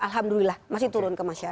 alhamdulillah masih turun ke masyarakat